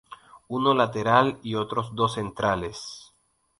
Uno lateral y otro dos centrales.